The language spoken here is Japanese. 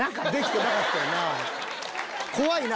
怖いな！